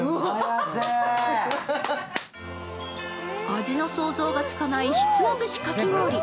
味の想像がつかない、ひつまぶしかき氷。